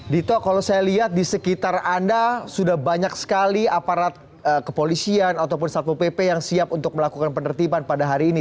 dito kalau saya lihat di sekitar anda sudah banyak sekali aparat kepolisian ataupun satmo pp yang siap untuk melakukan penertiban pada hari ini